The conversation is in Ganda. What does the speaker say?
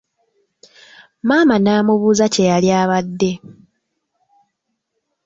Maama n'amubuuza kye yali abadde.